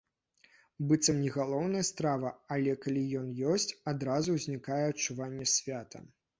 Быццам не галоўная страва, але калі ён ёсць, адразу ўзнікае адчуванне свята.